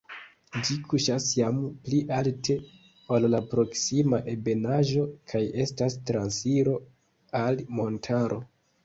Ĝi kuŝas jam pli alte, ol la proksima ebenaĵo kaj estas transiro al montaro.